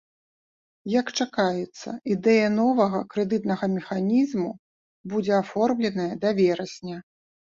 Як чакаецца, ідэя новага крэдытнага механізму будзе аформленая да верасня.